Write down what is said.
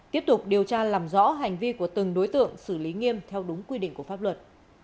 tiếp tục điều tra làm rõ hành vi của từng đối tượng xử lý nghiêm theo đúng quy định của pháp luật